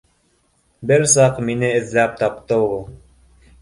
Бер саҡ мине эҙләп тапты ул